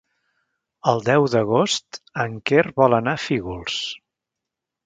El deu d'agost en Quer vol anar a Fígols.